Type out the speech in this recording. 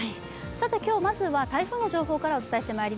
今日、まずは台風の情報からお伝えします。